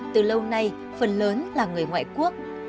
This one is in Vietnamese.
từ lâu nay phần lớn là người ngoại quốc